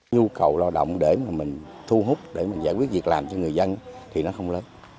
nhu cầu lao động để mà mình thu hút để mình giải quyết việc làm cho người dân thì nó không lớn